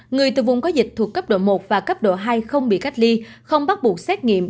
người từ vùng có dịch thuộc cấp độ một và cấp độ hai không bị cách ly không bắt buộc xét nghiệm